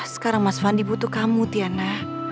sekarang mas fandi butuh kamu tiana